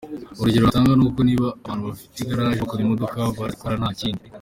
Urugero natanga ni uko niba abantu bafite igaraje bakora imodoka barazikora nta kindi.